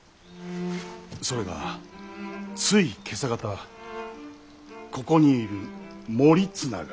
それがつい今朝方ここにいる守綱が。